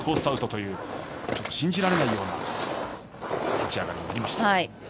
アウトという信じられないような立ち上がりでした。